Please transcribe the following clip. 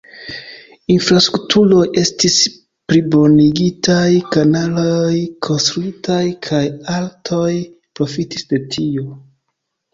Infrastrukturoj estis plibonigitaj, kanaloj konstruitaj kaj artoj profitis de tio.